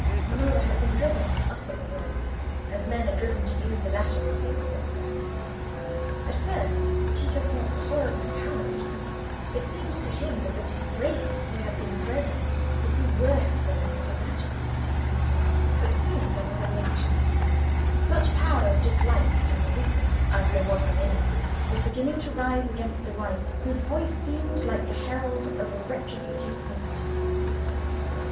Romola had been driven to utter the words as men are driven to use the lash of the horsewhip. At first, Tito felt horribly cowed; it seemed to him that the disgrace he had been dreading would be worse than he had imagined it. But soon there was a reaction: such power of dislike and resistance as there was within him was beginning to rise against a wife whose voice seemed like the herald of a retributive fate.